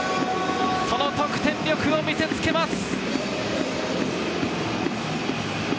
得点力を見せつけます。